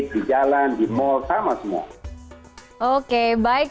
oke baik terima kasih pak hussein pak duta besar sudah bergabung dengan connected ramadan